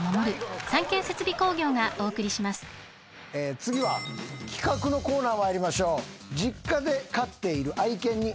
次は企画のコーナー参りましょう。